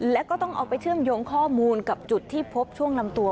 แล้วก็ต้องเอาไปเชื่อมโยงข้อมูลกับจุดที่พบช่วงลำตัว